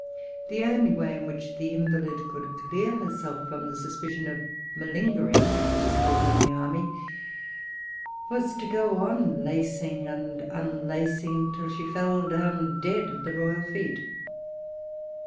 The only way in which the invalid could clear herself from the suspicion of malingering, as it is called in the army, was to go on[Pg 372] lacing and unlacing, till she fell down dead at the royal feet.